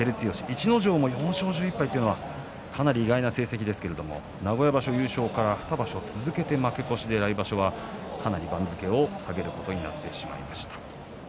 逸ノ城の４勝１１敗というのもかなり意外な成績ですけど名古屋場所優勝から２場所続けて負け越しで来場所はかなり番付を下げることになってしまいました。